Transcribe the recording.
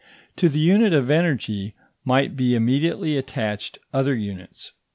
To the unit of energy might be immediately attached other units.